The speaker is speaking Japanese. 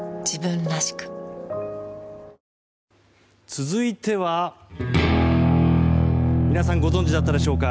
続いては皆さんご存じだったでしょうか。